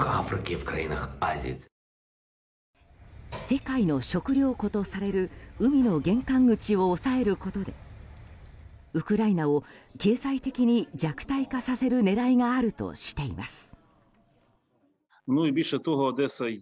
世界の食糧庫とされる海の玄関口を抑えることでウクライナを経済的に弱体化させる狙いがあるとしています。